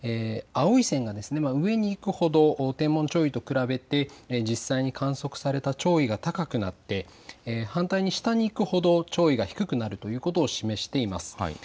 青い線が上に行くほど天文潮位と比べて実際に観測された潮位が高くなって反対に下に行くほど潮位が低くなるということを示しています。